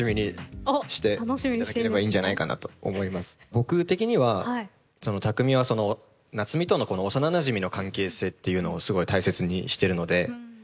僕的には匠は夏海との幼なじみの関係性っていうのをすごい大切にしてるので。